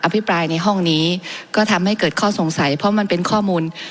พิปรายในห้องนี้ก็ทำให้เกิดข้อสงสัยเพราะมันเป็นข้อมูล